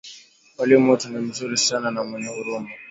mwalimu wetu ni mzuri sana na mwenye huruma